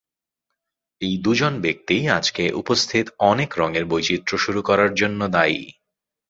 এই দুজন ব্যক্তিই আজকে উপস্থিত অনেক রঙের বৈচিত্র্য শুরু করার জন্য দায়ী।